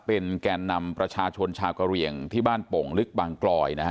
เป็นแกนนำประชาชนชาวกะเหลี่ยงที่บ้านโป่งลึกบางกลอยนะฮะ